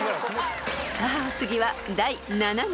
［さあお次は第７問］